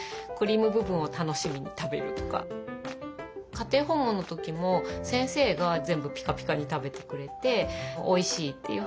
家庭訪問の時も先生が全部ピカピカに食べてくれておいしいっていう話をして。